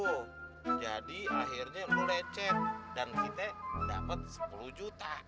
tuh jadi akhirnya lo lecet dan kita dapat sepuluh juta